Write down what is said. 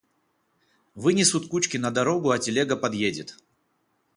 Вынесут кучки на дорогу, а телега подъедет.